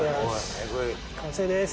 完成です。